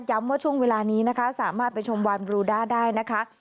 ว่าช่วงเวลานี้นะคะสามารถไปชมวานบรูด้าได้นะคะ